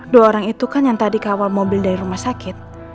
dua orang itu kan yang tadi kawal mobil dari rumah sakit